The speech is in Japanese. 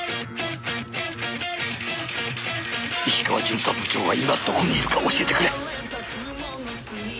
石川巡査部長が今どこにいるか教えてくれ。